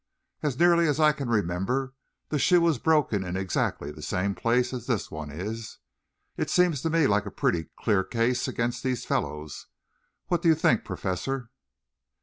As nearly as I can remember, the shoe was broken in exactly the same place that this one is. It seems to me like a pretty clear case against these fellows. What do you think, Professor?"